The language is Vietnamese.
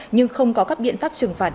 nhưng không có các biện pháp trừng phạt